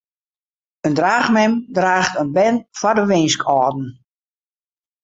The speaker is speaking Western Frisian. In draachmem draacht in bern foar de winskâlden.